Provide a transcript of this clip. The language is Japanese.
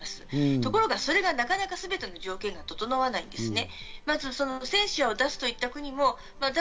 ところが、それがなかなかすべての状況が整わないんですね。